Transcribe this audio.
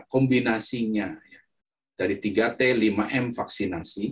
kombinasinya dari tiga t lima m vaksinasi